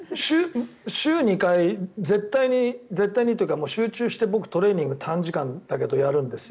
週２回、絶対にというか集中して僕、トレーニング短時間だけどやるんです。